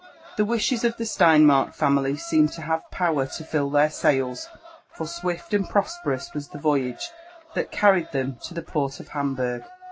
The wishes of the Steinmark family seemed to have power to fill their sails, for swjft and prosperous was the voyage that carried Aem to the port of Hamburgh.